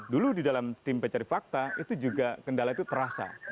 dulu di dalam tim pencari fakta itu juga kendala itu terasa